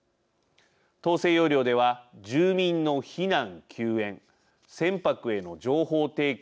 統制要領では住民の避難・救援船舶への情報提供